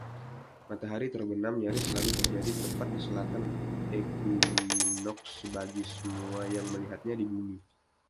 Matahari terbenam nyaris selalu terjadi tepat di selatan ekuinoks bagi semua yang melihatnya di Bumi.